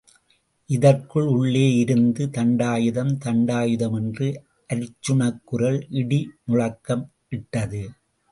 இதற்குள், உள்ளே இருந்து, தண்டாயுதம்... தண்டாயுதம் என்று அர்ச்சுனக்குரல் இடி முழக்கமிட்டது.